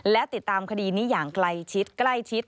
และติดตามคดีนี้อย่างใกล้ชิด